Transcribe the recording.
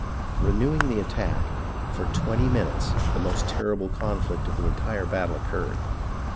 Renewing the attack, for twenty minutes the most terrible conflict of the entire battle occurred.